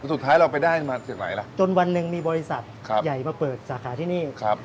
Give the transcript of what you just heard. สุดท้ายเราไปได้มาจากไหนล่ะจนวันหนึ่งมีบริษัทใหญ่มาเปิดสาขาที่นี่ครับ